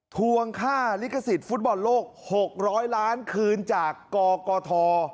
ทวงค่าลิขสิทธิ์ฟุตบอลโลก๖๐๐ล้านคืนจากกกท